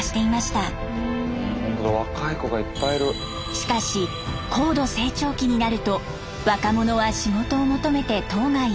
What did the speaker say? しかし高度成長期になると若者は仕事を求めて島外へ。